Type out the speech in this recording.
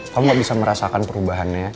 kamu gak bisa merasakan perubahannya